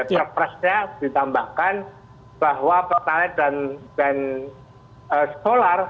perpresnya ditambahkan bahwa pertalite dan solar